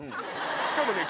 しかもね